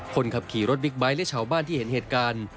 คนขับขี่รถบิ๊กไบท์และชาวบ้านที่เห็นเหตุการณ์